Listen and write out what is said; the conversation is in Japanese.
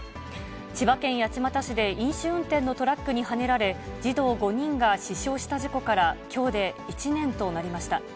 千葉県八街市で、飲酒運転のトラックにはねられ、児童５人が死傷した事故からきょうで１年となりました。